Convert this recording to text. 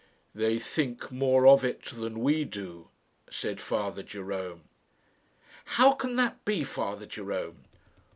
"They think more of it than we do," said Father Jerome. "How can that be, Father Jerome?"